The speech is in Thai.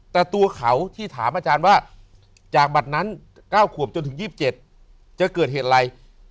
แต่ตัวเขาที่ถามอาจารย์ว่าจากบัตรนั้น๙ขวบจนถึง๒๗จะเกิดเหตุอะไร